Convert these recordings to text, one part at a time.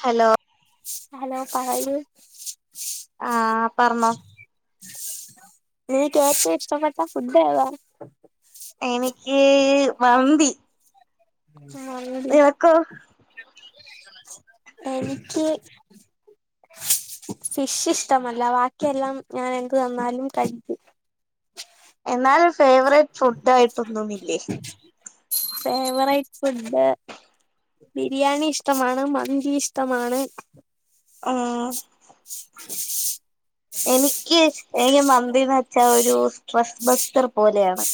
Hello hello പറയൂ ആഹ് പറഞ്ഞോ നിനക്ക് ഏറ്റവും ഇഷ്ട്ട പെട്ട ഫുഡ്ഡേതാ എനിക്ക് മന്തി ആഹ് എടി നിനക്കോ എനിക്ക് ഫിഷ് ഇഷ്ടമല്ല ബാക്കിയെല്ലാം ഞാൻ എന്ത് തന്നാലും കഴിക്കും. എന്നാലു ഫേവറൈറ്റ് ഫുഡ്ഡായിട്ട് ഒന്നുമില്ലെ ഫെവറൈറ്റ് ഫുഡ് ബിരിയാണി ഇഷ്ടമാണ്. മന്തി ഇഷ്ടമാണ്. ആഹ് [unintelligible] എനിക്ക് മന്തീന്ന് വെച്ചാൽ ഒരു സ്ട്രെസ് മസ്റ്റർ പോലെയാണ്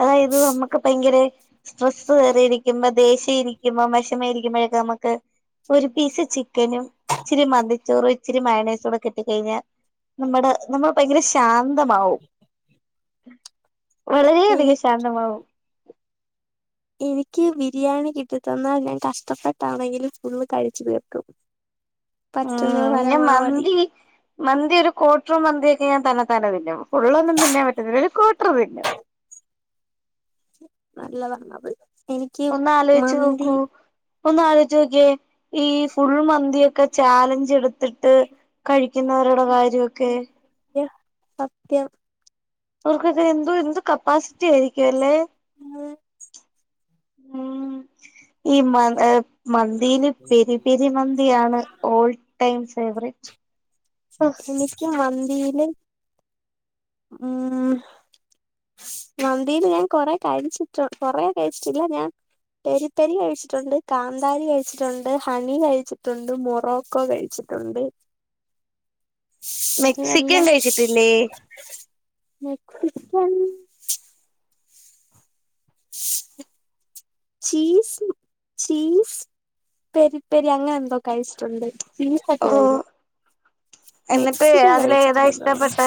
അതായത് നമ്മക്ക് ഭയങ്കരേ സ്ട്രെസ്സ് കേറി ഇരിക്കുമ്പോ ദേഷ്യം ഇരിക്കുമ്പോ വിഷമ ഇരിക്കുമ്പോഴൊക്കെ നമുക്ക് ഒരു പീസ് ചി - ത്തെനും ഇച്ചിരി മന്തിച്ചോറും ഇച്ചിരി മയൊണയിസും കൂടി കിട്ടികഴിഞ്ഞാൽ- നമ്മടെ നമ്മള് ഭയങ്കര ശാന്തമാവും എനി വളരെയധികം ശാന്ത- [unintelligible] എനിക്ക് ബിരിയാണി കിട്ടി തന്നാൽ ഞാൻ കഷ്ടപ്പെട്ടാണെങ്കിലും ഫുള്ള് കഴിച്ച് തീർക്കും പറ്റുന്നത് ഉം ഞാൻ പരമാവധി മന്തി മന്തി ഒരു കോട്ട്ര് മന്തിയൊക്കെ ഞാൻ തന്നെ തന്നെ തിന്നും ഫുള്ളൊന്നും തിന്നാൻ പറ്റുന്നില്ല ഒരു ക്വാട്ട്ര് തിന്നും നല്ലതാ അത്. എനിക്ക് ഒന്ന് ആലോചിച്ച് മന്തി നോക്കൂ ഒന്ന് ആലോചോക്കെ ഈ ഫുൾ മന്തിക്കെ ചാലഞ്ച് എടുത്തിട്ട് കഴിക്കുന്നവരുടെ കാര്യമൊക്കെ യ സത്യം അവർക്കൊക്കെ എന്തോ എന്ത് കപ്പാസിറ്റി ആയിരിക്കും അല്ലേ മ ഉം ഈ മ മന്തിയില് പെരി പെരി മന്തിയാണ് ഓൾഡ് ടൈംസ് വറേജ് എനിക്ക് മന്തിയില് ഉ മന്തിൽ ഞാൻ കൊറെ കഴിച്ചിട്ടു കൊറേ കഴിച്ചിട്ടില്ല ഞാൻ പരിപ്പരി കഴിച്ചിട്ടുണ്ട് കാന്താരി കഴിച്ചിട്ടുണ്ട് ഹണി കഴിച്ചിട്ടുണ്ട് മൊറോക്കോ കഴിച്ചിട്ടുണ്ട് എണ്ട് മെക്സിക്ക ഇതെല്ലാം കഴിച്ചിട്ടില്ലേ മെക്സിക്കൻ ഉ ചീസ് ചീസ് പെരി പെരി അങ്ങനെ എന്തോകഴച്ചിട്ടുണ്ട് ഓ [unintelligible] എന്നിട്ട് അതില്ഏതാ കഴിച്ചിട്ടില്ലെന്ന് തോന്നുന്നു ഇഷ്ടപ്പെട്ടത്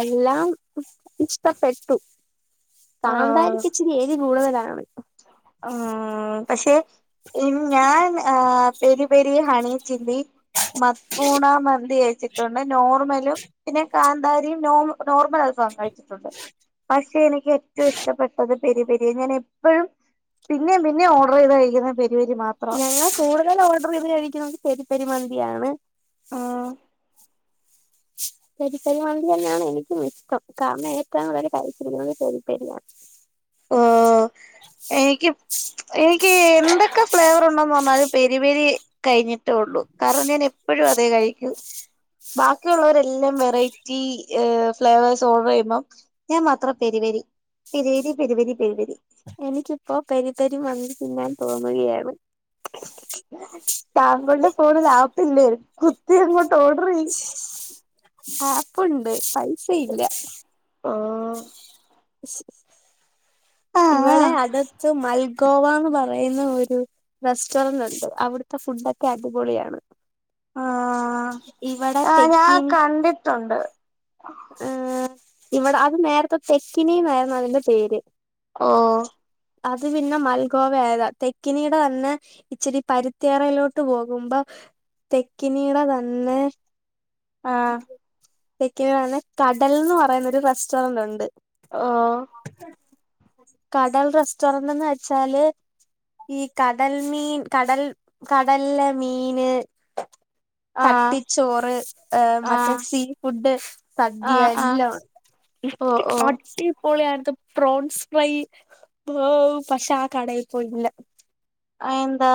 എല്ലാം ഇഷ്ടപ്പെട്ടു ആഹ് കാന്താരിക്ക്ച്ച് ത്തിരിഎരി കൂടുതലാണ് ആഹ് പഷെ ഇ ഞാൻ ആഹ് പെരി പെരി ഹണിച്ചില്ലി മക്രൂണ മന്തി കയ്ച്ചിട്ടുണ്ട് നോർമലും പിന്നെ കാന്താരിയും നോ നോർമലായ കാന്തരിം പക്ഷെ എനിക്ക് ഏറ്റവും ഇഷ്ടപ്പെട്ടത് പെരി പെരി ങ്ങനെ അപ്പഴും പിന്നേ പിന്നെ ഓർഡർ ചെയ്ത് കഴിക്കുന്ന പെരി പെരി മാ ഞങ്ങൾ കൂടുതൽ ഓർഡർ ചെയ്ത് കഴിക്കുന്നത് പെരി പെരി മന്തിയാണ് ആഹ് പെരിപെരിമന്തി ന്നെയാണ് എനിക്കും ഇഷ്ടം കാരണം ഏറ്റവും കൂടുതൽ കഴിച്ചിരുന്നത് പെരി പെരി രിയാണ് ഓഹ് എനിക്ക് എനിക്ക് എന്തൊക് ക്കെ ഫ്ലേവർണ്ടന്ന് പറഞ്ഞാല് പെരി പെരി കഴഞ്ഞിട്ടേ ഒള്ളൂ കാരണം ഞാൻ പ്പഴും അതെ കഴിക്കു ബാക്കിയുള്ളവരെല്ലാം വെറൈറ്റി ഫ്ലേവേഴ്സ് ഓർഡർ ചെയ്യുമ്പം ഞാൻ മാത്രം പെരുവരി പെരുവേരി പെരുവരി പെരുവരി എനിക്കിപ്പോ പെരിതരി മന്തി തിന്നാൻ തോന്നുകയാണ് താങ്കളുടെ ഫോണിൽ ആപ്പില്ലേ കുത്തിരുന്നിട്ട് ഓർഡർ ചെ ആപ്പുണ്ട് പൈസ ഇല്ല ആഹ് ആഹ് ഇവടെ അടുത്ത് മൽഗോവാന്ന് പറയുന്ന ഒരു റെസ്റ്റോറന്റ് ണ്ട് അവിട്ത്തെ ഫുഡ്ഡക്കെ അടിപൊളിയാണ് ആഹ് ഇവിടെ ആ ഞാൻ കണ്ടിട്ടുണ്ട് ആഹ് ഇവടെ അത് നേരത്തെ തെക്കിനി ന്നയിരുന്നു അതിന്റെ പേര് ഓഹ് അത് പിന്നെ മൽഗോവയിയതാ തെക്കിനീടെ അന്ന് ഇച്ചിരി പരുത്തിയറയിലോട്ട് പോകുമ്പം തെക്കിനീടെ തന്നെ ആഹ് [unintelligible] കടൽ ന്ന് പറയുന്നൊരു റെസ്റ്റോറന്റ് ണ്ട് ഓഹ് കടൽ റെസ്റ്റോറന്റ് ന്ന് വെച്ചാല് ഈ കടൽ മീൻ കടൽ കടല മീന് ആഹ് ചട്ടിച്ചോറ് മറ്റേ ആഹ് എഹ് സീ ഫുഡ് സദ്യ ആഹ് ആഹ് എല്ലോംണ്ട് ഓ ഇക്ക് ഓ അ ഇപ്പോൾ ഏൻത്തെ പ്രോൺസ് ഫ്രൈ പ്രൊ പഷെ ആ കടയിൽ പോയിട്ല്ല അഎന്താ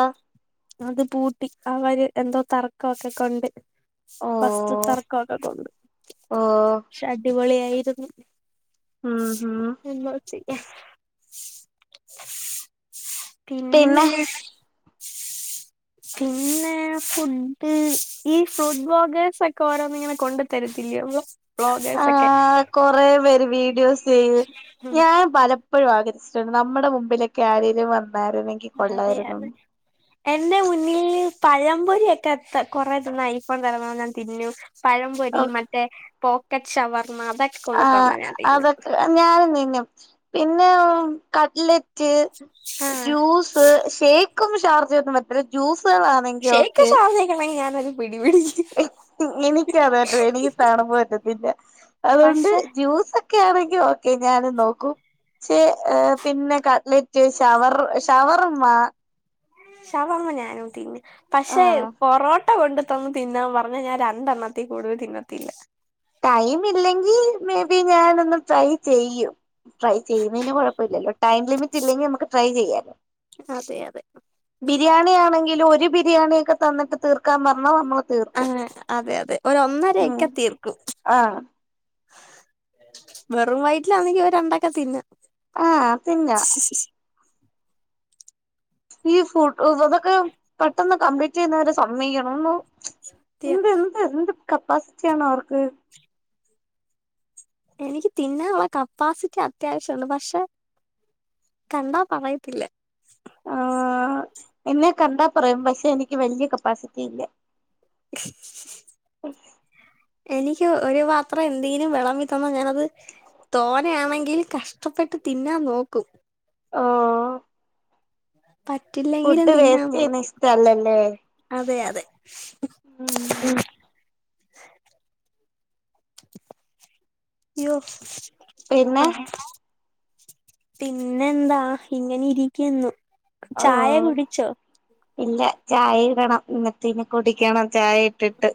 അത് പൂട്ടി അവര് എന്തോ തർക്കൊക്കെ കൊണ്ട് ഓ വസ്തു തർക്കൊക്കെ കൊണ്ട് ഓ ക്ഷെ അടിപൊളിയായിര്ന്നു ഉം ഉം എന്താ ചെയ്യാ പിന്നെ [inaudible] പിന്നെ ഫുഡ് ഈ ഫ്രൂഡ് ബോഗേഴ്സ് ഒക്കോരോന്ന് ങ്ങനെ കൊണ്ട് തരത്തില്ലെന്ന് ബ്ലോഗേഴ്സ് ക്കെ കൊറെ പേര് വീഡിയോസ് ചെയ്ന്ന് ഞാൻ പല എപ്പഴും ആഗ്രഹച്ചിട്ണ്ട് നമ്മടെ മുമ്പിലക്കെ ആരെലും വന്നാര്ന്നെ അതെ അതെ എന്റെ മുന്നിൽ പഴംപൊരി ഒക്കെ കൊറെ തന്ന ഐഫോൺ തരന്നെന്ന് ഞാൻ തിന്നും പഴംപൊരി ഓഹ് മറ്റേ പോക്കറ്റ് ഷവർമ അതക് ആഹ് അതൊക്കെ ഞാനും നിന്നും പിന്നെ കട്ട്ല റ്റ് ജൂസ് ഷേക്കും ഷാർജന്നും അത്ര ജ്യൂസേളാ ഷേക്ക് [unintelligible] ഞാനത് പിടി പിടിക്കു [unintelligible] എനിക്കത് പറ്റത് എനിക്ക് കാണമ്പൊ പറ്റത്തില്ല അതുകൊണ്ട് പക്ഷെ ജ്യൂസക് ക്കെ ആണെങ്കി ഓക്കെ ഞാനും നോക്കും ക്ഷെ ഏഹ് പിന്നെ കട്ലറ്റ് ഷവർ ഷവർമ്മ ശവർമ്മ ഞാനും തിന്നു പക്ഷെ ആഹ് പൊറോ ട്ട കൊണ്ട്ത്തന്ന് തിന്നാൻ പറഞ്ഞ ഞാൻ രണ്ടെണ്ണത്തി കൂടുതൽ തിന്നത്തില്ല ടൈം ഇല്ലെങ്കി മേബി ഞാനൊന്ന് ട്രൈ ചെയ്യും ട്രൈ ചെയ്യുന്നതിന് കുഴപ്പല്ലല്ലോ ടൈം ലിമിറ്റ് ഇല്ലെങ്കി നമുക്ക് ട്രൈ ചെയ്യാലോ അതെ അതെ ബിരിയാണി ആണെങ്കിലും ഒരു ബിരിയാണിയൊക്കെ തന്നിട്ട് തീർക്കാൻ പറഞ്ഞാ നമ്മൾ ആഹ് അതെ അതെ ഒരു ഉം ഒന്നരയൊക്കെ തീർക്കും ആഹ് വെറും വയറ്റിലാന്നെങ്കി രണ്ടൊക്കെ തിന്നു ആഹ് പിന്നെ ഈ ഫ്രൂ അതൊക്കെ പെട്ടെന്ന് കംപ്ലീറ്റ്യ്യുന്നവരെ സമ്മയിക്കണം ഒന്നു എന്ത് എന്ത് എന്ത് കെപ്പാസിറ്റിയാണ് അവർക്ക് എനിക്ക് തിന്നാനുള്ള കപ്പാസിറ്റി അത്യാവശ്യംണ്ട് പക്ഷെ കണ്ടാ പറയത്തില്ല ആഹ് എന്നെ കണ്ടാ പറയും പക്ഷെ എനിക്ക് വല്ല്യ കപ്പാസിറ്റി ഇല്ല എനിക്ക് ഒരു പാത്രം എന്തെങ്കിലും വിളമ്പി തന്ന ഞാനത് തോനയാണെങ്കിൽ കഷ്ടപ്പെട്ട് തിന്നാൻ നോക്കും ഒഹ് ഓഹ് പറ്റില്ലെങ്കിലും ഫുഡ് തിന്നാൻ വേസ്റ്റ് ചെയ്യുന്ന നോക്കും. ഇഷ്ടല്ലല്ലേ അതെ അതെ ഉം. യോ പിന്നെ പിന്നെ എന്താ ഇങ്ങനെ ഇരിക്കുനു. ഔ ഇല്ല ചായ ഇടണം ഇന്നട് ഇന്ന് കുടിക്കണം ചായ. ട്ടിട്ട്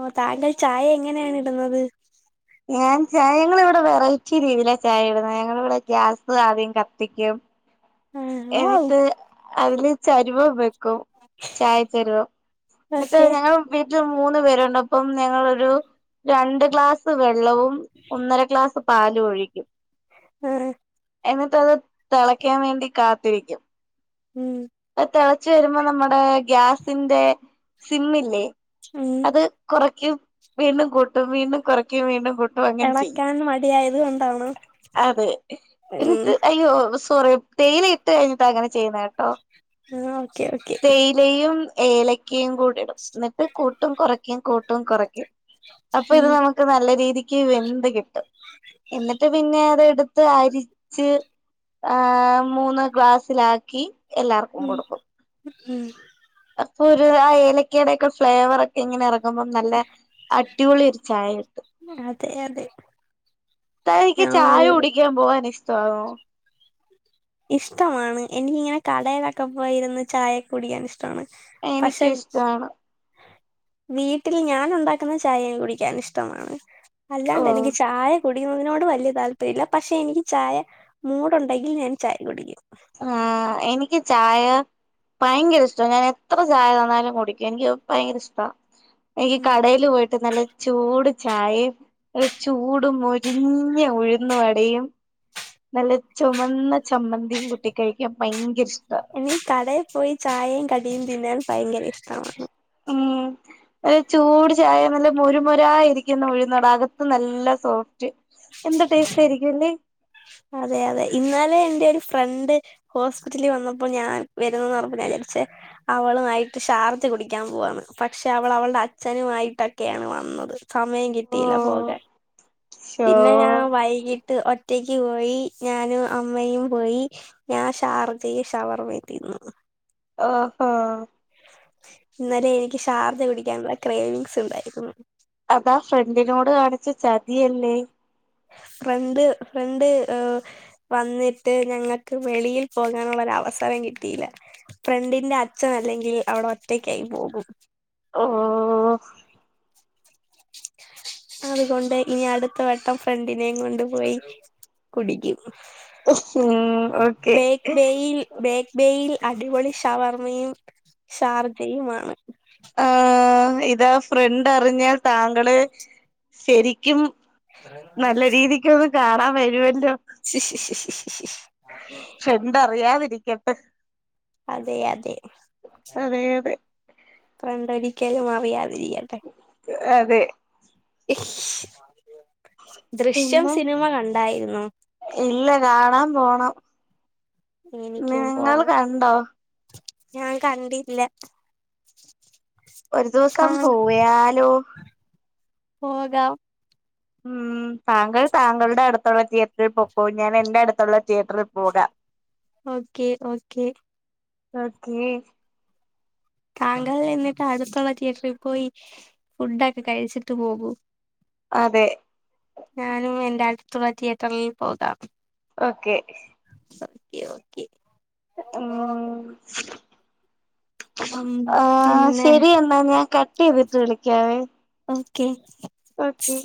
ഓ താങ്കൾ ചായ എങ്ങനെയാണ് ഇടുന്നത്. ഞാൻ ചായ ഞങ്ങള് ഇവിടെ വെറൈറ്റി രീതിയില ചായ ഇടുന്നത് ഞങ്ങളിവിടെ ഗ്യാസ് ആദ്യം കത്തിക്കും. ആഹ് വൗ എനിട്ട് അതില് ചരിവ വൊ ചായ തരു എന്നിട്ട് ഓക്കെ ഞങ്ങൾ വീട്ടിൽ മൂന്ന് പേരുണ്ട് അപ്പം ഞങ്ങളൊരു രണ്ട് ക്ലാസ് വെള്ളവും ഒന്നര ഗ്ലാസ് പാലും ഒഴിക്കും. ആഹ് എന്നിട്ട് അത് തളയ്ക്കാൻ വേണ്ടി കാത്തിരിക്കും. ഉം അത് തിളച്ചു വരുമ്പോ നമ്മുടെ ഗ്യാസിന്റെ സിമ്മില്ലേ? [inaudible] അത് കുറയ്ക്കും വീണ്ടും കൂട്ടും വീണ്ടും കുറക്ക കും വീണ്ടും കട്ടും അങ്ങനെ ചെയ്യും. എളക്കാൻ മടിയായത് കൊണ്ടാണോ അതെ ഉം എനിട്ട് അയ്യോ സോറി തേയില ഇട്ട് കഴിഞ്ഞിട്ട് അങ്ങനെ ചെയ്യുന്ന കേട്ടോ? ആ ഓക്കേ ഓക്കേ ഇലയും ഏലക്കയും കൂടി ഇടും എന്നിട്ട് കൂട്ടും കുറയ്ക്കയും കൂട്ടും കുറയ്ക്കും. അപ്പം ഇത് ഉം നമുക്ക് നല്ല രീതിക്ക് വെന്ത് കിട്ടും. [inaudible] എന്നിട്ട് പിന്നെ അത് എടുത്ത് അരിച്ച് ആഹ മൂന്ന് ഗ്ലാസ്സിലാക്കി. എല്ലാവർക്കും ഉം കൊടുക്കും. ഉം അപ്പൊരു ആ ഏലക്കെടൊക്കെ ഫ്ലേവർ. ഇങ്ങനെ ഇറങ്ങുമ്പം നല്ല അടിപൊളിയൊരു ചായക്കിടും. അതെ അതെ തനിക്ക് ഞാൻ ചായ ഒരു കുടിക്കാൻ പോവാൻ ഇഷ്ടായോ. ഇഷ്ടമാണ് എനിക്കിങ്ങനെ കടേലൊക്കെ പോയിരുന്ന്. ചായ കുടിക്കാൻ ഇഷ് പക്ഷെ എനിക്കും ഇഷ്ടമാണ് വീട്ടിൽ ഞാൻ ഉണ്ടാക്കുന്ന ചായ കുടിക്കാൻ ഇഷ്ടമാണ്. ഓ അല്ലാണ്ട് എനിക്ക് ചായ കുടിക്കുന്നതിനോട് വലിയ താല്പര്യല്ല പക്ഷെ എനിക്ക് ചായ മൂടുണ്ടെങ്കിൽ ഞാൻ ചായ കുടിക്കും. ആഹ എനിക്ക് ചായ ഭയങ്കര ഇഷ്ടാ ഞാൻ എത്ര ചായ തന്നാലും കുടിക്കും എനിക്ക് ഭയങ്കര ഇഷ്ടാ. എനിക്ക് ഉം കടേല് പോയിട്ട് നല്ല ചൂട് ചായയും. ഒരു ചൂട് മൊരിഞ്ഞ ഉഴുന്നുവടയും. നല്ല ചുമന്ന ചമ്മന്തിയും കൂട്ടി കഴിക്കാൻ ഭയങ്കര ഇഷ്ട. എനിക്ക് കടേപ്പോയി ചായയും കടിയും തിന്നാൻ ഭയങ്കര ഇഷ്ടമാണ്. ഉം ഒരു ചൂട് ചായ നല്ല മുരുമൊര ഇരിക്കുന്ന ഉഴുന്നട അകത്ത് നല്ല സോഫ്റ്റ്. എന്ത് ടേസ്റ്റായിരിക്കുംല്ലേ. അതെയതെ. ഇന്നലെ എന്റൊരു ഫ്രണ്ട് ഹോസ്പിറ്റലി വന്നപ്പം ഞാൻ വരുന്നന്ന് പറഞ്ഞപ്പൊ ഞാൻ വിചാരിച്ചേ അവളുവായിട്ട് ഷാർജ കുടിക്കാൻ പോവാന്ന് പക്ഷെ അവള് അവളുടെ അച്ഛനുമായിട്ടൊക്കെയാണ് വന്നത്. സമയം ഓ കിട്ടിയില്ല പോകാൻ. ശോ പിന്നെ ഞാൻ വൈകിട്ട് ഒറ്റക്ക് പോയി ഞാനും അമ്മയും പോയി. ഞാൻ ഷാർജെയും ഷവർമെ യും തിന്ന്. ഓഹോ ഇന്നലെ എനിക്ക് ഷാർജ കുടിക്കാനുള്ള ക്രേവിങ്സ് ഉണ്ടായിരുന്നു. അതാ ഫ്രണ്ടിനോട് കാണിച്ച ചതിയല്ലേ. ഫ്രണ്ട് ഫ്രണ്ട് ഏഹ് വന്നിട്ട് ഞങ്ങക്ക് വെളിയിൽ പോകാനുള്ളൊരു അവസരം കിട്ടിയില്ല. ഫ്രണ്ടിന്റെ അച്ഛനല്ലെങ്കിൽ അവിടെ ഒറ്റക്കായി പോകും. ഓഹോ അതുകൊണ്ട് ഇനി അടുത്ത വെട്ടം ഫ്രണ്ടിനെയും കൊണ്ട് പോയി കുടിക്കും. ഉം ഓക്കെ ബേക്ക് ബേയിൽ ബേക്ബേയിൽ അടിപൊളി ഷവർമ്മയും ഷാർജയുമാണ്. ആഹ് ഇതാ ഫ്രണ്ടറിഞ്ഞാൽ താങ്കള് ശരിക്കും നല്ല രീതിക്കൊന്ന് കാണാൻ വരുവല്ലോ. ശ് ശ് ശ് ശ് ശ് ശ് ഫ്രണ്ടറിയാതിരിക്കട്ടെ. അതെയതെ. അതെ അതെ ഫ്രണ്ടൊരിക്കലും അറിയാതിരിഗ അതെ ദൃശ്യം പിന്നെ സിനിമ കണ്ടായിരുന്നൊ? ഇല്ല കാണാൻ പോണം. എനിക്കും നിങ്ങൾ പോണം കണ്ടോ? ഞാൻ കണ്ടില്ല. ഒരു ദിവസം കാണാം പോയാലോ? പോകാം. ഉം താങ്കൾ താങ്കളുടെ അടുത്തുള്ള തിയേറ്ററി പൊക്കോ. ഞാൻ എന്റെ അടുത്തുള്ള തിയേറ്ററിൽ പോകാം. ഓക്കെ ഓക്കേ ഓക്കേ താങ്കൾ എന്നിട്ട് അടുത്തുള്ള തിയേറ്ററി പോയി ഫുഡൊക്കെ കഴിച്ചിട്ട് പോകൂ. അതെ ഞാനും എന്റെ അടുത്തുള്ള തിയേറ്ററിൽ പോകാം. ഓക്കെ [unintelligible] ഓക്കേ ഓക്കേ ഉംമ് ഉം ആഹ് പിന്നെ ശരി എന്നാ ഞാൻ കട്ടെയ്തിട്ട് വിളിക്കാവേ. Okay okay